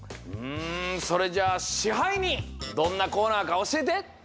うんそれじゃあ支配人どんなコーナーかおしえて！